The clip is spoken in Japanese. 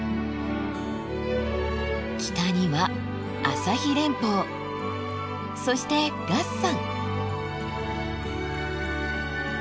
北には朝日連峰そして月山。